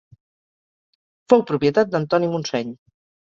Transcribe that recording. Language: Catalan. Fou propietat d'Antoni Montseny.